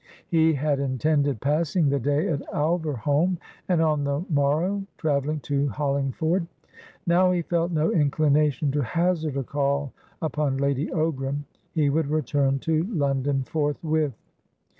He had intended passing the day at Alverholme, and, on the morrow, travelling to Hollingford. Now he felt no inclination to hazard a call upon Lady Ogram; he would return to London forthwith.